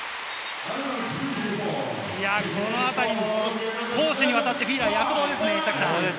このあたり、攻守にわたってフィーラーが躍動ですね。